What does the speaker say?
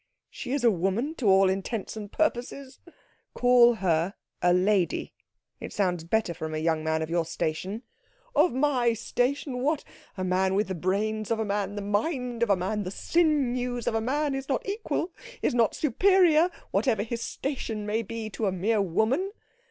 "She is a woman to all intents and purposes " "Call her a lady. It sounds better from a young man of your station." "Of my station! What, a man with the brains of a man, the mind of a man, the sinews of a man, is not equal, is not superior, whatever his station may be, to a mere woman?"